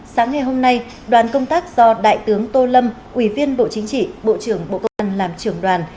sáng ngày hôm nay đoàn công tác do đại tướng tô lâm ủy viên bộ chính trị bộ trưởng bộ công an làm trưởng đoàn